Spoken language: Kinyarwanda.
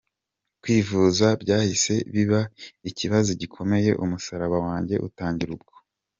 Kwivuza byahise biba ikibazo gikomeye, umusaraba wanjye utangira ubwo.